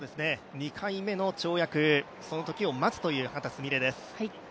２回目の跳躍、そのときを待つという秦澄美鈴です。